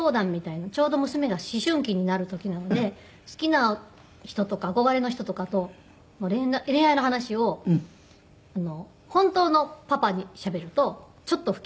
ちょうど娘が思春期になる時なんで好きな人とか憧れの人とかの恋愛の話を本当のパパにしゃべるとちょっと不機嫌になる。